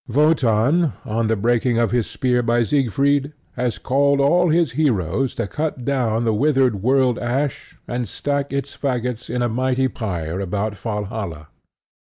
Wotan, on the breaking of his spear by Siegfried, has called all his heroes to cut down the withered World Ash and stack its faggots in a mighty pyre about Valhalla.